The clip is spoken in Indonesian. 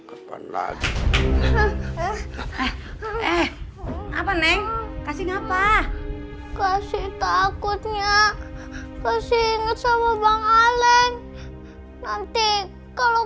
apa neng kasih ngapa kasih takutnya kasih inget sama bang aleng nanti kalau